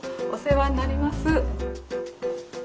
お世話になります。